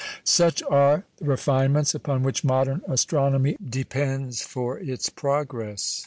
Such are the refinements upon which modern astronomy depends for its progress.